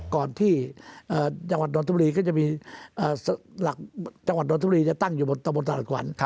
ก่อนที่จังหวัดตตศตรรมด่านกว่าน